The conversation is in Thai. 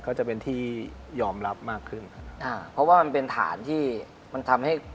ก็จะเป็นที่ยอมรับมากขึ้นค่ะเพราะว่ามันเป็นฐานที่มันทำให้